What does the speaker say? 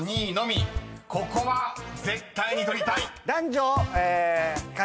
［ここは絶対に取りたい！］